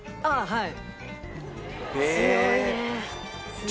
はい。